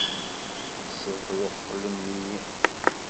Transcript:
Tessebṛuqlem-iyi!